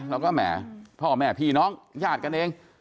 แล้วก็แหมพ่อแม่พี่น้องญาติกันเอง